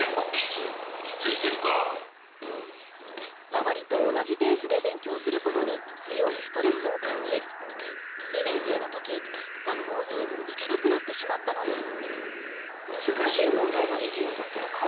周りと同じペースで勉強することに強いストレスを感じ、２年生のとき、学校に行けなくなってしまったのです。